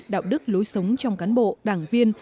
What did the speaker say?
đạo đức lối sống trong cán bộ đảng viên